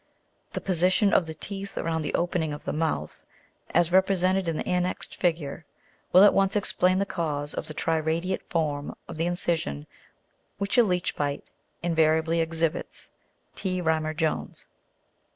The position of the teeth around the opening of the mouth, as represented in the annexed figure (78), will at once explain the cause of the tri radiate form of the incision which a leech bite in variably exhibits." T. Rymer Jones.